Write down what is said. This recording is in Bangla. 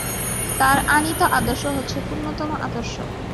তাঁর আনীত আদর্শ হচ্ছে পুণ্যতম আদর্শ।